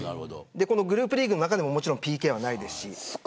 グループリーグの中でもＰＫはないですし。